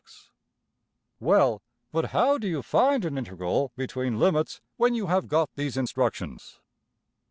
\] Well, but \emph{how} do you find an integral between limits, when you have got these instructions?